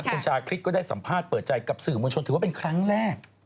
คุณชาคริสก็ได้สัมภาษณ์เปิดใจกับสื่อมวลชนถือว่าเป็นครั้งแรก